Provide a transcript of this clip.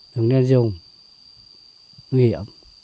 đừng nên dùng nghỉ ẩm